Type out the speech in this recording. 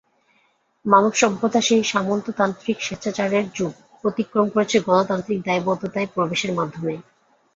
মানবসভ্যতা সেই সামন্ততান্ত্রিক স্বেচ্ছাচারের যুগ অতিক্রম করেছে গণতান্ত্রিক দায়বদ্ধতায় প্রবেশের মাধ্যমে।